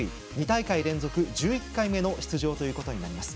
２大会連続１１回目の出場となります。